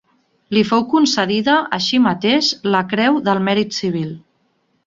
Li fou concedida, així mateix, la Creu del Mèrit Civil.